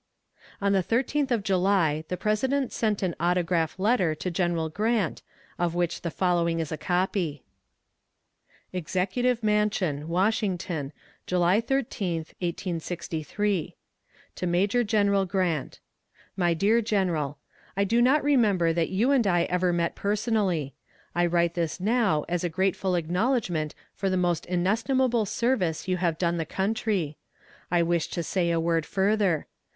On the thirteenth of July the President sent an autograph letter to General Grant, of which the following is a copy: EXECUTIVE MANSION, WASHINGTON, July 13th, 1863. To Major General Grant: MY DEAR GENERAL I do not remember that you and I ever met personally. I write this now as a grateful acknowledgment for the almost inestimable service you have done the country. I wish to say a word further.